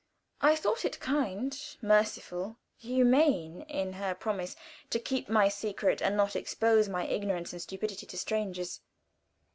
I thought it kind, merciful, humane in her to promise to keep my secret and not expose my ignorance and stupidity to strangers.